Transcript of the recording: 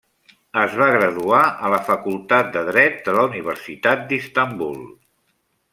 Es va graduar a la facultat de Dret de la Universitat d'Istanbul.